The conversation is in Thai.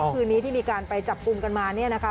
คืนนี้ที่มีการไปจับกลุ่มกันมาเนี่ยนะคะ